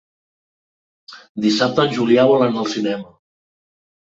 Dissabte en Julià vol anar al cinema.